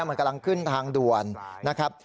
มันกำลังขึ้นทางด่วนนะครับ